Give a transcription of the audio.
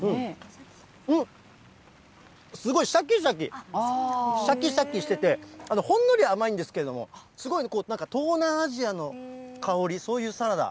うん、すごいしゃきしゃき、しゃきしゃきしてて、ほんのり甘いんですけれども、すごい、なんか東南アジアの香り、そういうサラダ。